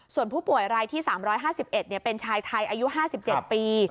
ส่วนผู้ป่วยรายที่๓๕๑เป็นชายไทยอายุ๕๗ปี